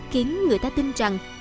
khiến người ta tin rằng